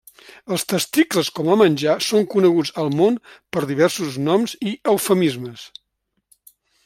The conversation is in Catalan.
Els testicles com a menjar són coneguts al món per diversos noms i eufemismes.